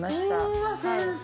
うわ先生。